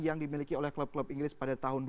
yang dimiliki oleh klub klub inggris pada tahun dua ribu